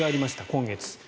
今月。